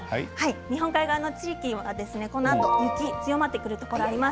日本海側の地域はこのあと雪が強まってくるところがあります。